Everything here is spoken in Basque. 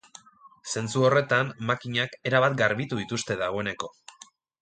Zentzu horretan, makinak erabat garbitu dituzte dagoeneko.